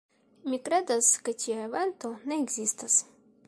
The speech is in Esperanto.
Mi kredas ke tia evento ne ekzistas.